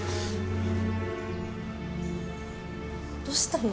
どうしたの？